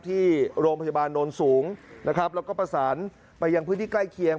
ที่โรงพยาบาลโน้นสูงนะครับแล้วก็ประสานไปยังพื้นที่ใกล้เคียง